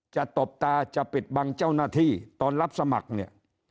ตบตาจะปิดบังเจ้าหน้าที่ตอนรับสมัครเนี่ย